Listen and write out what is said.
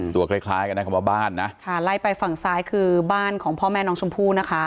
คล้ายคล้ายกันนะคำว่าบ้านนะค่ะไล่ไปฝั่งซ้ายคือบ้านของพ่อแม่น้องชมพู่นะคะ